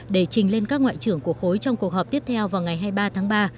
để trình lên các ngoại trưởng của khối trong cuộc họp tiếp theo vào ngày hai mươi ba tháng ba